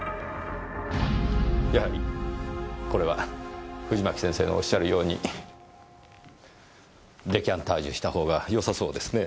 やはりこれは藤巻先生のおっしゃるようにデカンタージュしたほうがよさそうですね。